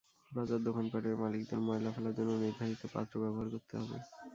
বাজার, দোকানপাটের মালিকদের ময়লা ফেলার জন্য নির্ধারিত পাত্র ব্যবহার করতে হবে।